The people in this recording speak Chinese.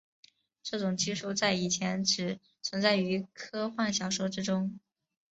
这种技术在以前还只存在于科幻小说之中。